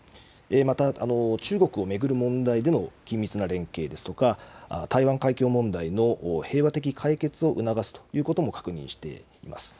また、中国を巡る問題での緊密な連携ですとか、台湾海峡問題の平和的解決を促すということも確認しています。